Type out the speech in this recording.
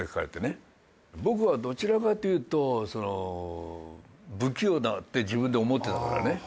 僕はどちらかっていうと不器用だって自分で思ってたからね。